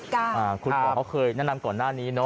คุณหมอเคยแนะนำก่อนหน้านี้